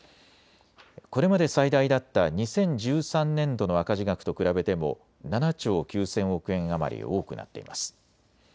これまで最大だった２０１３年度の赤字額と比べても７兆９０００億円余り多くなっています。